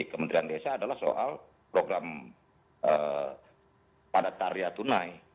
kementerian desa adalah soal program padat karya tunai